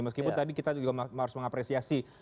meskipun tadi kita juga harus mengapresiasi